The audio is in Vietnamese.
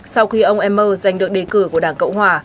sau khi ông emmer giành được đề cử của đảng cộng hòa